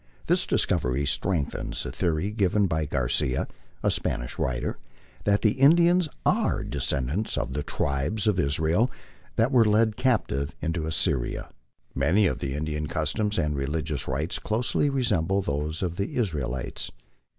This discovery strengthens the theory given by Garcia, a Spanish writer, that the Indians are the descendants of the tribes of Israel that were led captive into Assyria. Many of the Indian customs and religious rites closely resemble those of the Israelites.